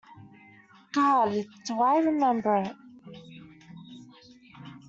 Gad, do I remember it.